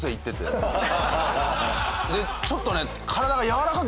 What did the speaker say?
でちょっとね。